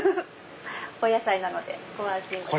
お野菜なのでご安心ください。